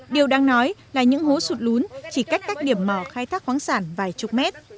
điều đang nói là những hố sụt lún chỉ cách các điểm mỏ khai thác khoáng sản vài chục mét